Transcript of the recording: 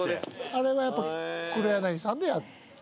あれはやっぱ黒柳さんで。